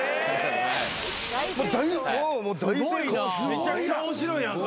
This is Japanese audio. めちゃくちゃ面白いやんか。